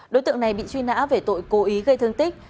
đối tượng này bị truy nã về tội cố ý gây thương tích